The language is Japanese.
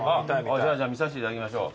じゃあ見させていただきましょう。